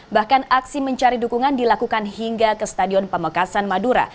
bahkan aksi mencari dukungan dilakukan hingga ke stadion pamekasan madura